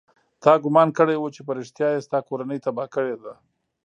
تا ګومان کړى و چې په رښتيا يې ستا کورنۍ تباه کړې ده.